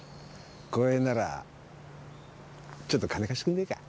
光栄ならちょっと金貸してくんねぇか？